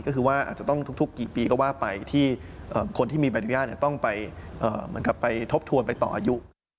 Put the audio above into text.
ก็คือว่าอาจจะต้องทุกปีก็ว่าไปที่คนที่มีบรรยาต้องไปทบทวนไปต่ออายุ